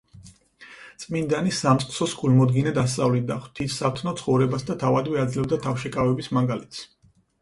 წმინდანი სამწყსოს გულმოდგინედ ასწავლიდა ღვთივსათნო ცხოვრებას და თავადვე აძლევდა თავშეკავების მაგალითს.